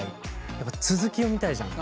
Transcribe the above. やっぱ続き読みたいじゃん。